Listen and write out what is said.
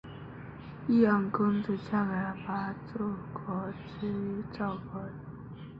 义安公主嫁给了八柱国之一赵国公李弼次子李晖。